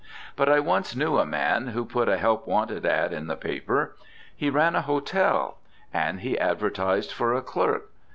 But I once knew a man who put a help wanted "ad" in the paper. He ran a hotel, and he advertised for a clerk.